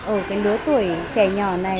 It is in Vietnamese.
ở đứa tuổi trẻ nhỏ này